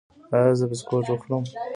ایا زه بسکټ وخورم؟